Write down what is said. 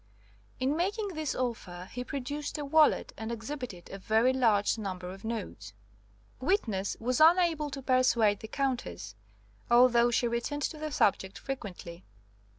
In making this offer he produced a wallet and exhibited a very large number of notes. "Witness was unable to persuade the Countess, although she returned to the subject frequently.